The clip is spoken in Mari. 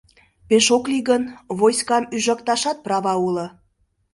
Пеш ок лий гын, войскам ӱжыкташат права уло.